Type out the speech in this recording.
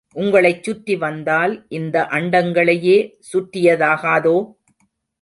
உங்களைச் சுற்றி வந்தால் இந்த அண்டங்களையே சுற்றிய தாகாதோ?